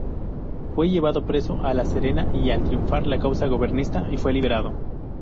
Fue llevado preso a La Serena y, al triunfar la causa gobiernista, fue liberado.